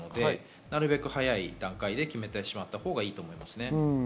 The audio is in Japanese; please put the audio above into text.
なるべく早い段階で決めてしまったほうがいいと思いますね。